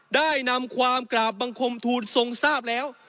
ได้นำความกราบบังคมทูลทรงทราบแล้ว